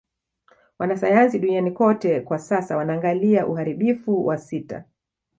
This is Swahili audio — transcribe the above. Wanasayansi duniani kote kwa sasa wanaangalia uharibifu wa sita